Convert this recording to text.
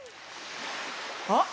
あっ！